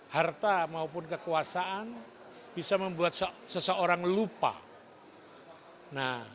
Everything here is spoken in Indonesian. harta maupun kekuasaan bisa membuat seseorang lupa